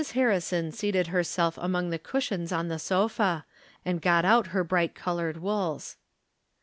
Harri son seated herself among the cushions on the sofa, and got out her bright colored wools.